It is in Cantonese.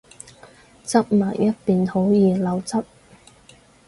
側埋一邊好易漏汁